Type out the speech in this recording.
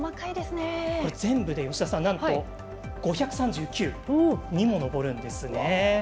全部でなんと５３９にも上るんです。